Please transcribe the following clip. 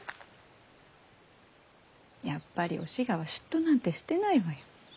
やっぱりお志賀は嫉妬なんてしてないわよ。